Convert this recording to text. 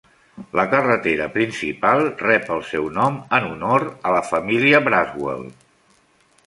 La carretera principal rep el seu nom en honor a la família Braswell.